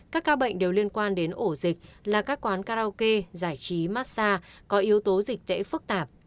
các ca bệnh đều liên quan đến ổ dịch là các quán karaoke giải trí massage có yếu tố dịch tễ phức tạp